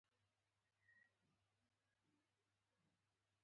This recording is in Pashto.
ورزش د نارغيو پر وړاندې د بدن ساتنه کوي.